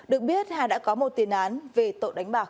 được biết hà đã có một tiền án về tội đánh bạc